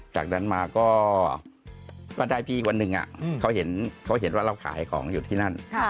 จากนั้นมาก็ได้พี่อีกวันหนึ่งเขาเห็นว่าเราขายของอยู่ที่นั่น